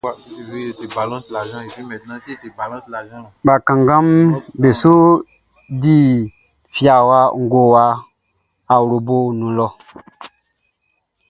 Bakannganʼm be su di fiawlɛʼn i ngowa awloʼn nun lɔ.